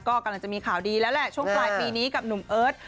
ก็กำลังจะมีข่าวดีแล้วแหละช่วงปลายปีนี้กับหนุ่มเอิร์ท